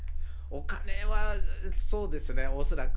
お金は、そうですね、恐らく。